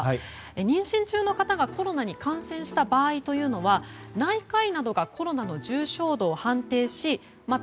妊娠中の方がコロナに感染した場合は内科医などがコロナの重症度を判定しまた